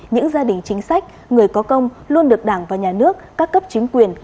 những gia đình chính sách người có công luôn được đảng và nhà nước các cấp chính quyền